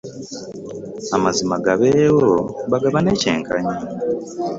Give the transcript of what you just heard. Amazima gabeewo bagabane kyenkanyi.